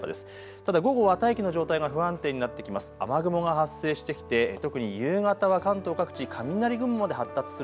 ただ午後は大気の状態が不安定になってきます。